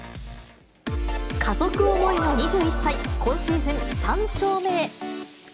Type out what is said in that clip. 家族思いの２１歳、今シーズン３勝目へ。